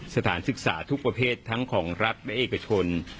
สถานศึกษาทุกประเภททั้งของรัฐและเอกชน